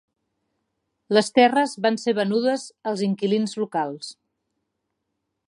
Les terres van ser venudes als inquilins locals.